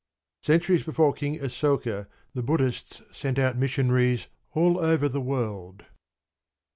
Centuries before King Asoka the Buddhists sent out missionaries all over the world.